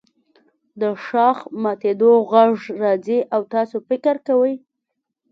د ښاخ ماتیدو غږ راځي او تاسو فکر کوئ